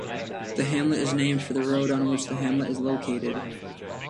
The hamlet is named for the road on which the hamlet is located.